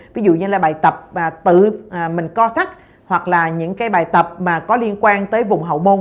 ví dụ như là bài tập và tự mình co thắt hoặc là những cái bài tập mà có liên quan tới vùng hậu môn